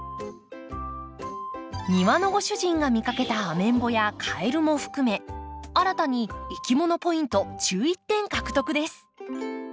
庭のご主人が見かけたアメンボやカエルも含め新たにいきものポイント１１点獲得です。